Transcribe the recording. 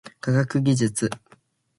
科学技術